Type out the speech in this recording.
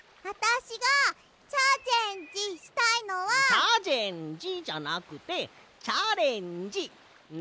「チャジェンジ」じゃなくて「チャレンジ」な。